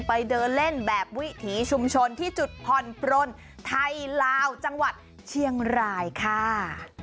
ไปเดินเล่นแบบวิถีชุมชนที่จุดผ่อนปลนไทยลาวจังหวัดเชียงรายค่ะ